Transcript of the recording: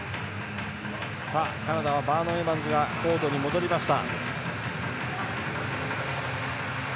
カナダはバーノン・エバンズがコートに戻りました。